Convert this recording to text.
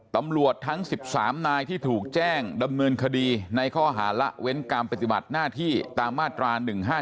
ตำรวจทั้ง๑๓นายที่ถูกแจ้งดำเนินคดีในข้อหาละเว้นการปฏิบัติหน้าที่ตามมาตรา๑๕๗